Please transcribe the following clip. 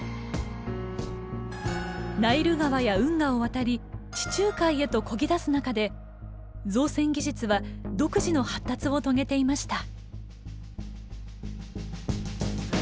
ナイル川や運河を渡り地中海へとこぎ出す中で造船技術は独自の発達を遂げていました。